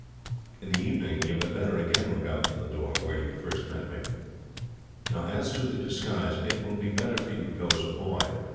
In the evening you had better again look out from the door where you first met me. "Now, as to the disguise, it will be better for you to go as a boy.